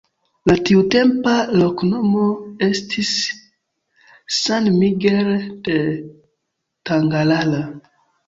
La tiutempa loknomo estis ’’San Miguel de Tangarara’’.